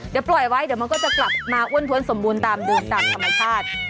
เดี๋ยวปล่อยไว้เดี๋ยวมันก็จะกลับมาอ้วนท้วนสมบูรณ์ตามดวงตามธรรมชาติ